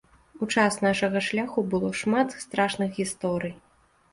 У час нашага шляху было шмат страшных гісторый.